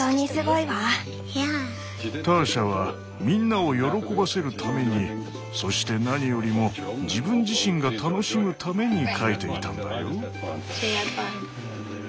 ターシャはみんなを喜ばせるためにそして何よりも自分自身が楽しむために描いていたんだよ。